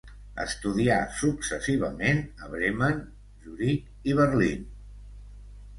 Estudià successivament a Bremen, Zuric i Berlín.